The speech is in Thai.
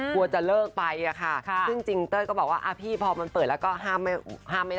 กลัวจะเลิกไปค่ะซึ่งจริงเต้ยก็บอกว่าพี่พอมันเปิดแล้วก็ห้ามไม่ได้